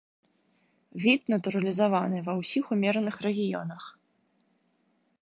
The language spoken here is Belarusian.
Від натуралізаваны ва ўсіх умераных рэгіёнах.